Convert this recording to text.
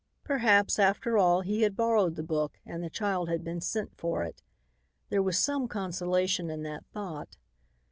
Perhaps, after all, he had borrowed the book and the child had been sent for it. There was some consolation in that thought.